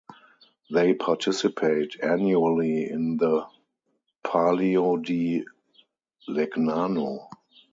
They participate annually in the Palio di Legnano.